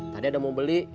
tadi ada mau beli